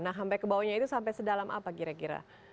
nah sampai ke bawahnya itu sampai sedalam apa kira kira